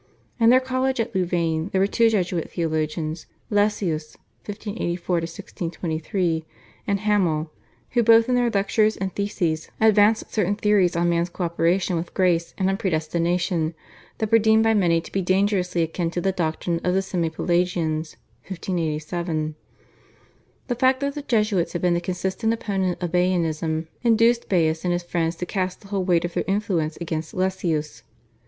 In their College at Louvain there were two Jesuit theologians Lessius (1584 1623) and Hamel, who both in their lectures and theses advanced certain theories on man's co operation with Grace and on Predestination, that were deemed by many to be dangerously akin to the doctrine of the Semi Pelagians (1587). The fact that the Jesuits had been the consistent opponents of Baianism induced Baius and his friends to cast the whole weight of their influence against Lessius.